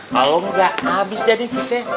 kalau nggak habis jadi visi